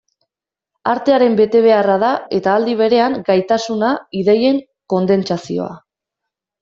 Artearen betebeharra da, eta aldi berean gaitasuna, ideien kondentsazioa.